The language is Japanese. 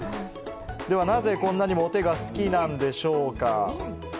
では、なぜこんなにもお手が好きなのでしょうか？